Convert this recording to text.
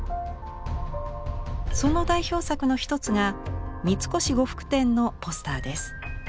その代表作の一つが三越呉服店のポスターです。